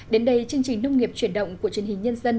đến đây chương trình nông nghiệp chuyển động của truyền hình nhân dân